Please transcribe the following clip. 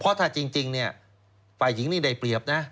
เพราะถ้าจริงเนี่ยฝ่ายหญิงนี่ได้เปรียบนะ